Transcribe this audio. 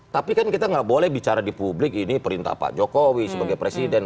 tapi kan kita nggak boleh bicara di publik ini perintah pak jokowi sebagai presiden